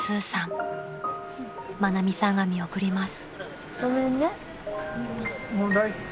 ［愛美さんが見送ります］